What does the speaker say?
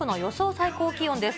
最高気温です。